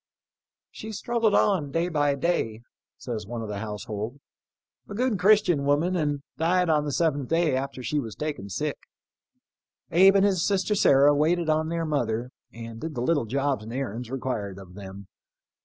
" She struggled on, day by day," says one of the household, " a good Christian woman, and died on the seventh day after she was taken sick. Abe and his sister Sarah waited on their mother, and did the little jobs and errands required of them.